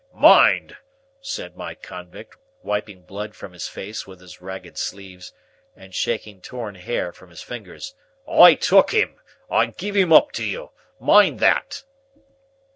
"Mind!" said my convict, wiping blood from his face with his ragged sleeves, and shaking torn hair from his fingers: "I took him! I give him up to you! Mind that!"